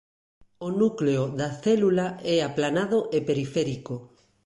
O núcleo da célula é aplanado e periférico.